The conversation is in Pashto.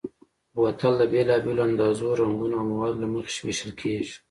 بوتل د بېلابېلو اندازو، رنګونو او موادو له مخې وېشل کېږي.